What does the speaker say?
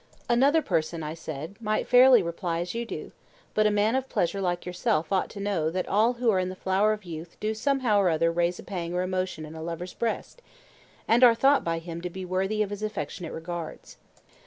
Another person, I said, might fairly reply as you do; but a man of pleasure like yourself ought to know that all who are in the flower of youth do somehow or other raise a pang or emotion in a lover's breast, and are thought by him to be worthy of his affectionate regards.